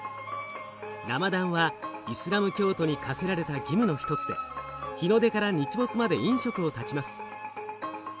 ラマダンはイスラム教徒に課せられた義務の一つで日の出から日没まで飲食を絶ちます。